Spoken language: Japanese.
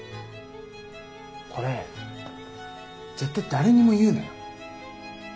これ絶対誰にも言うなよ？